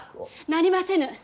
なりませぬ。